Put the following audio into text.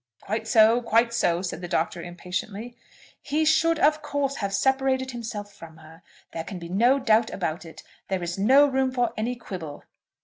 "Quite so; quite so," said the Doctor, impatiently. "He should, of course, have separated himself from her. There can be no doubt about it. There is no room for any quibble."